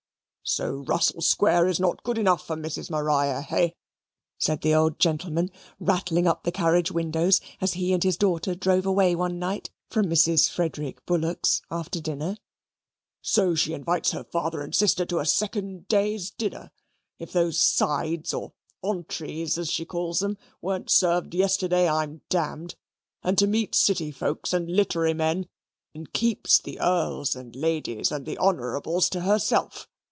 "So Russell Square is not good enough for Mrs. Maria, hay?" said the old gentleman, rattling up the carriage windows as he and his daughter drove away one night from Mrs. Frederick Bullock's, after dinner. "So she invites her father and sister to a second day's dinner (if those sides, or ontrys, as she calls 'em, weren't served yesterday, I'm d d), and to meet City folks and littery men, and keeps the Earls and the Ladies, and the Honourables to herself.